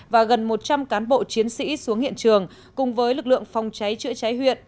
và gần một trăm linh cán bộ chiến sĩ xuống hiện trường cùng với lực lượng phòng cháy chữa cháy huyện